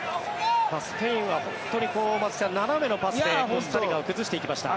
スペインは本当に松木さん、斜めのパスでコスタリカを崩していきました。